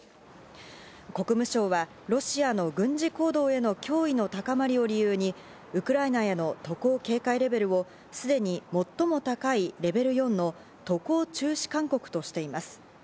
国務省はロシアの軍事行動への脅威の高まりを理由に、ウクライナへの渡航警戒レベルをすでに最も高いレベル４の渡航中止勧告としています。